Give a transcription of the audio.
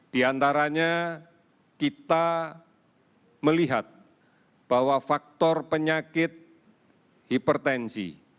di antaranya kita melihat bahwa faktor penyakit hipertensi